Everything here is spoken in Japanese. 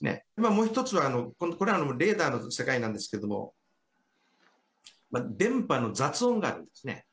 もう一つは、これ、レーダーの世界なんですけれども、電波の雑音があるんですね。